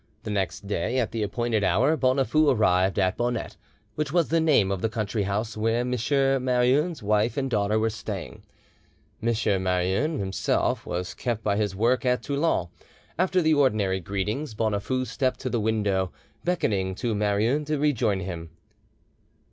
The next day at the appointed hour Bonafoux arrived at Bonette, which was the name of the country house where M. Marouin's wife and daughter were staying. M. Marouin himself was kept by his work at Toulon. After the ordinary greetings, Bonafoux stepped to the window, beckoning to Marouin to rejoin him.